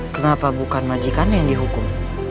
kenapa bukan majikannya yang dihukum